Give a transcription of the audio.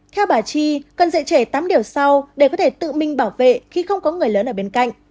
theo bà chi cần dạy trẻ tám điều sau để có thể tự mình bảo vệ khi không có người lớn ở bên cạnh